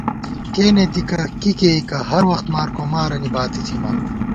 کېنے دِکہ کی کېئیکہ ، ہر وخت مارکومارَنی باتی تھِمان